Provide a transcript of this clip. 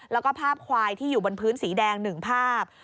แล้วก็ภาพควายที่อยู่บนพื้นสีแดง๑ภาพ